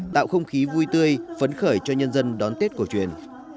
tạo không khí vui tươi phấn khởi cho nhân dân đón tết cổ truyền